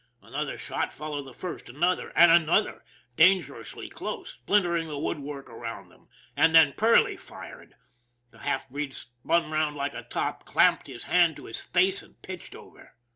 Another shot followed the first, another and another, danger ously close; splintering the woodwork around them; and then Perley fired. The half breed spun round like a top, clapped his hand to his face and pitched over.